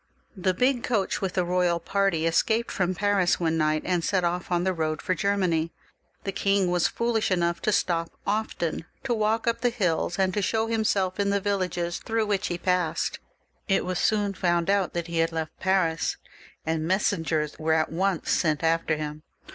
The big coach with the royal party escaped from Paris one night, and set off on the road for Germany. The king was foolish enough to stop often, to walk up the hills, and to show himseK in the villages through which he passed. It was soon found out that he had left Paris, and messen gers were at once sent after him.